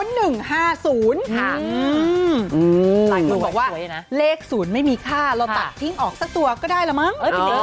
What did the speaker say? หลายคนบอกว่าเลข๐ไม่มีค่าเราตัดทิ้งออกสักตัวก็ได้ละมั้งพี่เน